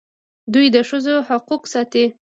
دوی د ښځو حقوق ساتي.